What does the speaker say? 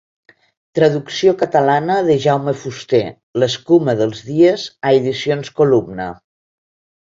Traducció catalana de Jaume Fuster L'escuma dels dies a Edicions Columna.